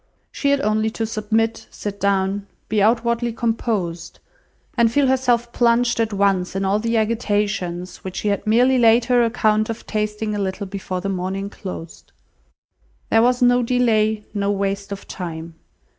She had only to submit, sit down, be outwardly composed, and feel herself plunged at once in all the agitations which she had merely laid her account of tasting a little before the morning closed. There was no delay, no waste of time.